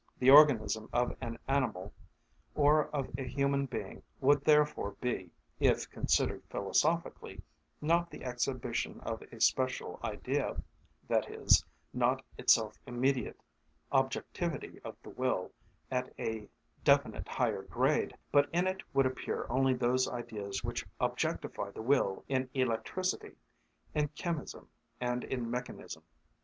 The organism of an animal or of a human being would therefore be, if considered philosophically, not the exhibition of a special Idea, that is, not itself immediate objectivity of the will at a definite higher grade, but in it would appear only those Ideas which objectify the will in electricity, in chemism, and in mechanism.